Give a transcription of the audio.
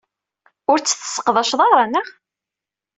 Ur tt-tesseqdaced ara, naɣ?